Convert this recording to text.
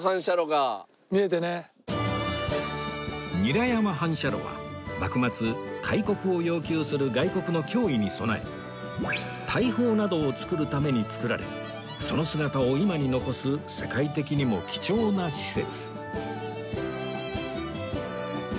韮山反射炉は幕末開国を要求する外国の脅威に備え大砲などを作るために造られその姿を今に残す世界的にも貴重な施設